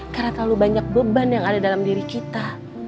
karena terlalu banyak beban yang ada dalam diri kita